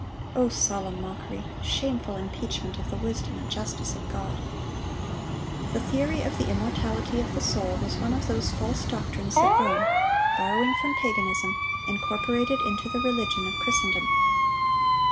(976) Oh, solemn mockery! shameful impeachment of the wisdom and justice of God! The theory of the immortality of the soul was one of those false doctrines that Rome, borrowing from paganism, incorporated into the religion of Christendom.